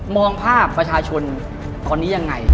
มองภาพประชาชนคนนี้ยังไง